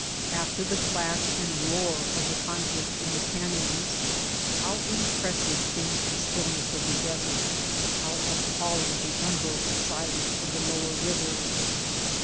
After the clash and roar of the conflict in the canyons how impressive seems the stillness of the desert, how appalling the unbroken silence of the lower river